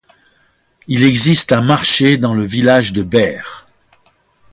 Il existe un marché dans le village de Ber.